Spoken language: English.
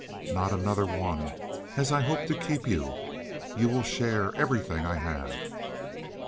"Not another one, as I hope to keep you. You will share everything I have..."